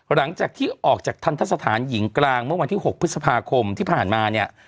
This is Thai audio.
หลังจากที่ออกจากทันทะสถานหญิงกลางเมื่อวันที่๖พฤษภาคมที่ผ่านมาเนี่ย